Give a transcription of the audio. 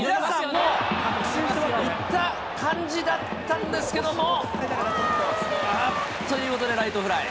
もう行った感じだったんですけども。ということでライトフライ。